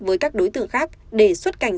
với các đối tượng khác để xuất cảnh